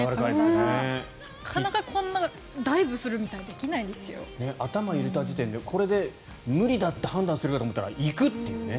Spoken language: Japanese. なかなか、こんなダイブするみたいなこと頭を入れた時点でこれで無理だって判断するかと思ったら行くっていうね。